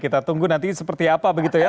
kita tunggu nanti seperti apa begitu ya